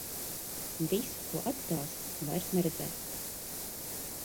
Visu, ko atstāsi, vairs neredzēt.